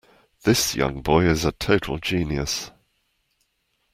This young boy is a total genius.